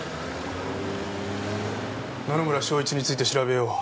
野々村翔一について調べよう。